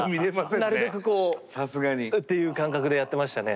なるべくこうっていう感覚でやってましたね。